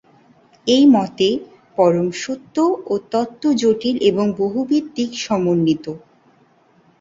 এই মতে, পরম সত্য ও তত্ত্ব জটিল এবং বহুবিধ দিক-সমন্বিত।